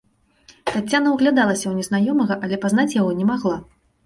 Таццяна ўглядалася ў незнаёмага, але пазнаць яго не магла.